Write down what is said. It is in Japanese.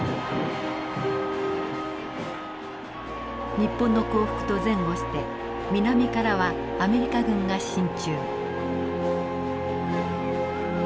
日本の降伏と前後して南からはアメリカ軍が進駐。